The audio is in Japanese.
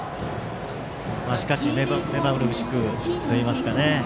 しかし、目まぐるしくといいますかね。